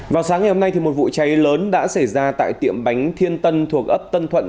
vào sáng ngày hôm nay một vụ cháy lớn đã xảy ra tại tiệm bánh thiên tân thuộc ấp tân thuận